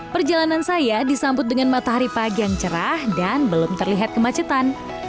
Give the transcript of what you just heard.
perjalanan saya disambut dengan matahari pagi yang cerah dan belum terlihat kemacetan